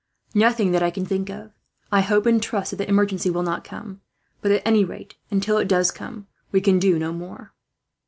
"Nothing that I can think of. I hope and trust that the emergency will not come; but at any rate, until it does come, we can do no more."